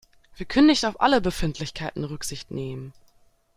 Wir können nicht auf alle Befindlichkeiten Rücksicht nehmen.